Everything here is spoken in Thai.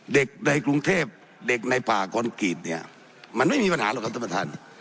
เด็กในกรุงเทพเด็กในป่าคอนกรีตเนี่ยมันไม่มีปัญหาหรอกครับท่านประธาน